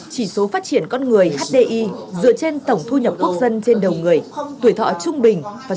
chỉ số phát triển con người hdi dựa trên tổng thu nhập quốc dân trên đầu người